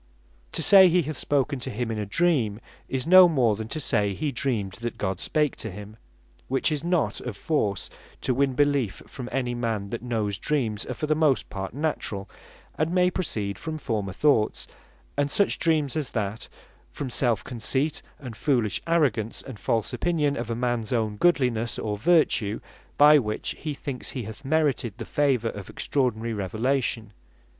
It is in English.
To say he hath spoken to him in a Dream, is no more than to say he dreamed that God spake to him; which is not of force to win beleef from any man, that knows dreams are for the most part naturall, and may proceed from former thoughts; and such dreams as that, from selfe conceit, and foolish arrogance, and false opinion of a mans own godlinesse, or other vertue, by which he thinks he hath merited the favour of extraordinary Revelation.